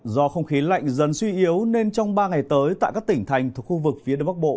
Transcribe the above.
do không khí lạnh dần suy yếu nên trong ba ngày tới tại các tỉnh thành thuộc khu vực phía đông bắc bộ